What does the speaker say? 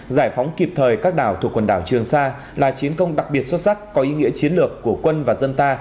giải phóng kịp thời các đảo thuộc quần đảo trường sa là chiến công đặc biệt xuất sắc có ý nghĩa chiến lược của quân và dân ta